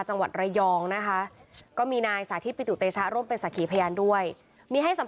จะวันอะไรครับไม่รู้เหมือนกันแหละ